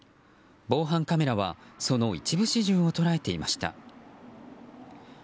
防犯カメラはその一部始終を捉えていました。